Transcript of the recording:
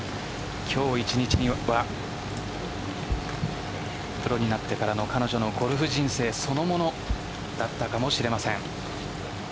今日１日はプロになってからの彼女のゴルフ人生そのものだったかもしれません。